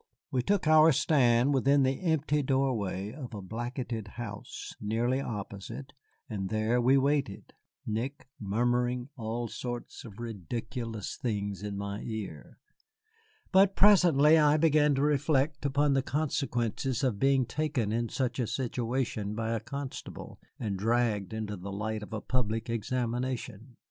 We took our stand within the empty doorway of a blackened house, nearly opposite, and there we waited, Nick murmuring all sorts of ridiculous things in my ear. But presently I began to reflect upon the consequences of being taken in such a situation by a constable and dragged into the light of a public examination.